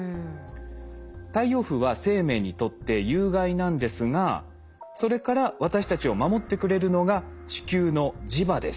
太陽風は生命にとって有害なんですがそれから私たちを守ってくれるのが地球の磁場です。